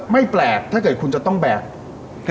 ไม่แปลกถ้าเกิดคุณจะต้องแบก